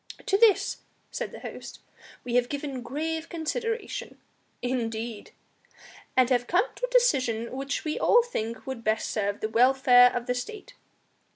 "To this," said the host, "we have given grave consideration." "Indeed!" "And have come to a decision which we all think would best serve the welfare of the State."